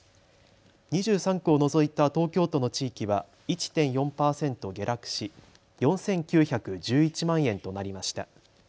２３区を除いた東京都の地域は１．４％下落し４９１１万円となりました。